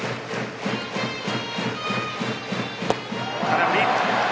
空振り。